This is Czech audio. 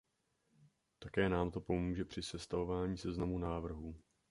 Také nám to pomůže při sestavování seznamu návrhů.